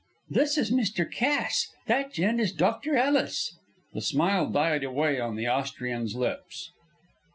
"This is Mr. Cass; that gent is Dr. Ellis." The smile died away on the Austrian's lips.